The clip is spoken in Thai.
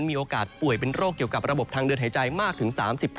มีโอกาสป่วยเป็นโรคเกี่ยวกับระบบทางเดินหายใจมากถึง๓๙